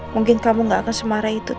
mungkin kamu nggak akan semara itu tadi